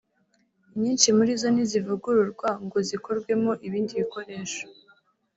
inyinshi muri zo ntizivugururwa ngo zikorwemo ibindi bikoresho